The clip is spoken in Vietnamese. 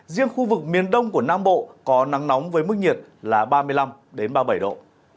riêng khu vực miền đông của nam bộ có nắng nóng với mức nhiệt là ba mươi năm ba mươi bảy độ